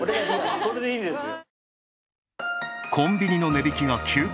これでいいんですよ。